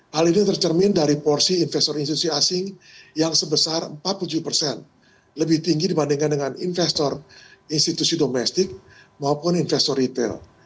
hal ini tercermin dari porsi investor institusi asing yang sebesar empat puluh tujuh persen lebih tinggi dibandingkan dengan investor institusi domestik maupun investor retail